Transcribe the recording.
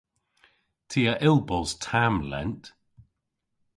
Ty a yll bos tamm lent.